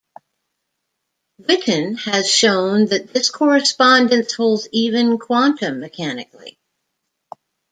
Witten has shown that this correspondence holds even quantum mechanically.